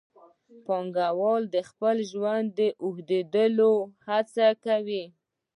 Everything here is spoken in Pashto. پانګوال د خپل ژوند د اوږدولو هڅه کوي